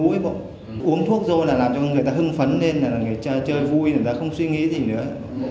uống thuốc rồi là làm cho người ta hưng phấn lên là người ta chơi vui người ta không suy nghĩ gì nữa